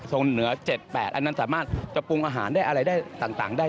เหนือ๗๘อันนั้นสามารถจะปรุงอาหารได้อะไรได้ต่างได้